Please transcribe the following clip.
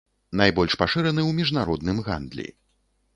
Найбольш пашыраны ў міжнародным гандлі.